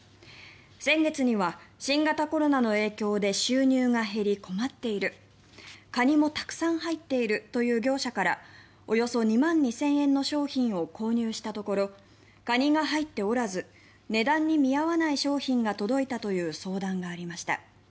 先月には新型コロナの影響で収入が減り困っているカニもたくさん入っているという業者からおよそ２万２０００円の商品を購入したところカニが入っておらず値段に見合わない商品が届いたという相談がありました。